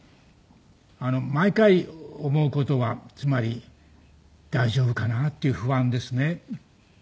毎回思う事はつまり「大丈夫かな？」っていう不安ですね。